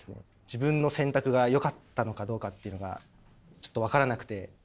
自分の選択がよかったのかどうかっていうのがちょっと分からなくて。